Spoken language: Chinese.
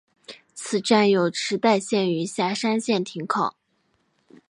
此站有池袋线与狭山线停靠。